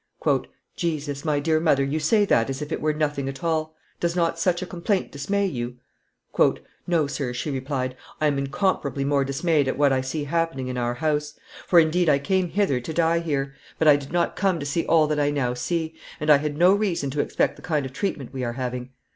"Jesus! my dear mother, you say that as if it were nothing at all. Does not such a complaint dismay you?" "No, sir," she replied; "I am incomparably more dismayed at what I see happening in our house. For, indeed, I came hither to die here, but I did not come to see all that I now see, and I had no reason to expect the kind of treatment we are having.